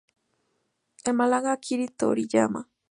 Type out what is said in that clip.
El mangaka Akira Toriyama.